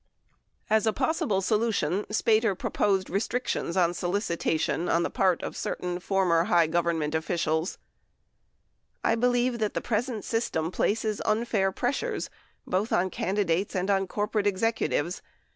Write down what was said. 18 As a possible solution, Spater proposed restrictions on solicitation on the part of certain former high Government officials : I believe that the present system places unfair pressures both on candidates and on corporate executives.